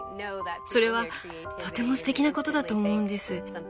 それはとてもすてきなことだと思うんです。